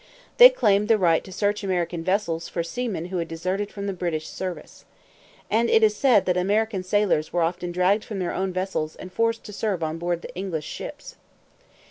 They claimed the right to search American vessels for seamen who had deserted from the British service. And it is said that American sailors were often dragged from their own vessels and forced to serve on board the English ships.